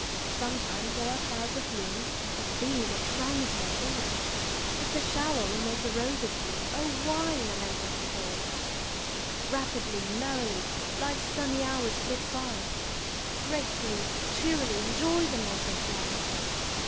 Sometimes there are clouds of gloom, But these are transient all; If the shower will make the roses bloom, O why lament its fall? Rapidly, merrily, Life's sunny hours flit by, Gratefully, cheerily Enjoy them as they fly!